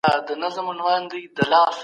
تاسو به د باثباته راتلونکي له پاره کار وکړئ.